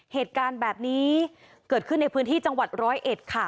เหตุการณ์แบบนี้เกิดขึ้นในพื้นที่จังหวัดร้อยเอ็ดค่ะ